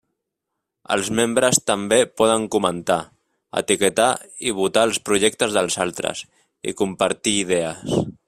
Els membres també poden comentar, etiquetar i votar els projectes dels altres, i compartir idees.